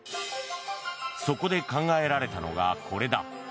そこで考えられたのが、これだ。